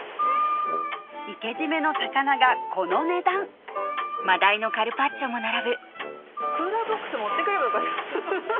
生け締めの魚がこの値段クーラーボックス持ってくればよかった。